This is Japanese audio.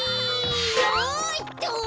おっと！